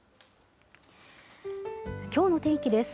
きょうの天気です。